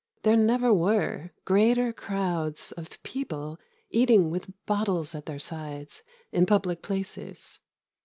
There never were greater crowds of people eating with bottles at their sides in public places.